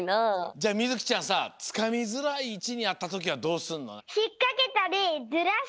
じゃあみずきちゃんさつかみづらいいちにあったときはどうすんの？